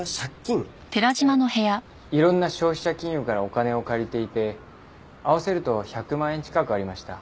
いろんな消費者金融からお金を借りていて合わせると１００万円近くありました。